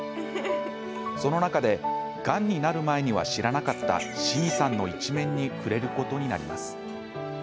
その中でがんになる前には知らなかった信義さんの一面に触れることになります。